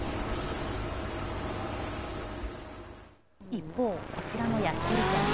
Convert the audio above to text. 一方、こちらの焼き鳥店。